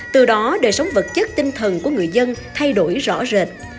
từ đó đời sống vật chất tinh thần của người dân thay đổi rõ rệt